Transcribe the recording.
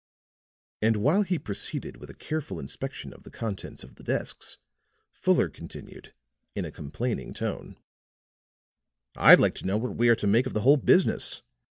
And while he proceeded with a careful inspection of the contents of the desks, Fuller continued in a complaining tone: "I'd like to know what we are to make of the whole business.